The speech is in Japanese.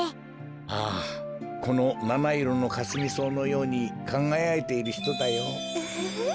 ああこのなないろのカスミソウのようにかがやいているひとだよ。